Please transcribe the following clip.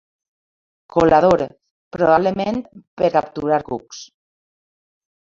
Colador, probablement per capturar cucs.